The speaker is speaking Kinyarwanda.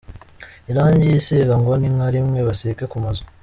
Irangi yisiga ngo ni nka rimwe basiga ku mazu.